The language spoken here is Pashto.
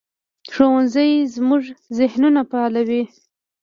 ښوونځی زموږ ذهنونه فعالوي